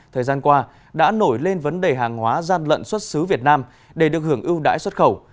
thời gian qua đã nổi lên vấn đề hàng hóa gian lận xuất xứ việt nam để được hưởng ưu đãi xuất khẩu